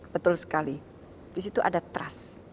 betul sekali disitu ada trust